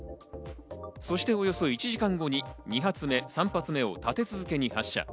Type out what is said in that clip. そして、およそ１時間後に２発目、３発目を立て続けに発射。